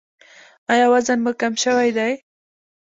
ایا وزن مو کم شوی دی؟